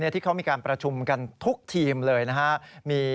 ที่เขามีการประชุมกันทุกทีมเลยนะครับ